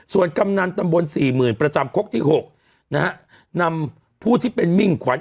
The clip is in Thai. ส่วนกำนันตำบลสี่หมื่นประจำคกที่๖นะฮะนำผู้ที่เป็นมิ่งขวัญ